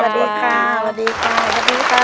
สวัสดีค่ะสวัสดีค่ะ